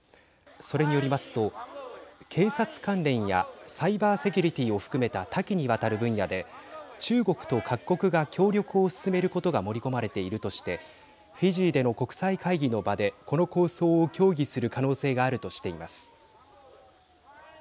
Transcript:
それによりますと警察関連やサイバーセキュリティーを含めた多岐にわたる分野で中国と各国が協力を進めることが盛り込まれているとしてフィジーでの国際会議の場でこの構想を協議する可能性があるとしています。